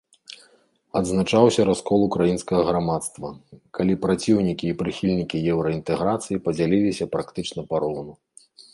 Адзначаўся раскол украінскага грамадства, калі праціўнікі і прыхільнікі еўраінтэграцыі падзяліліся практычна пароўну.